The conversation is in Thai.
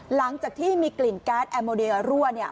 หลังจากที่มีกลิ่นแก๊สแอร์โมเดลรั่วเนี่ย